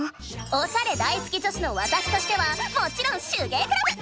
おしゃれ大好き女子のわたしとしてはもちろん手芸クラブ！